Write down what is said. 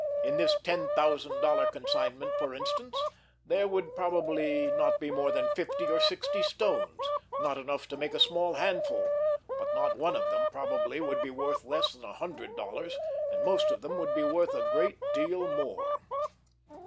In this ten thousand dollar consignment, for instance, there would probably not be more than fifty or sixty stones, not enough to make a small handful, but not one of them, probably, would be worth less than a hundred dollars, and most of them would be worth a great deal more.